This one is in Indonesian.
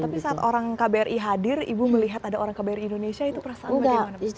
tapi saat orang kbri hadir ibu melihat ada orang kbri indonesia itu perasaan bagaimana